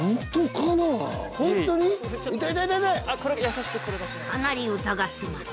かなり疑ってます。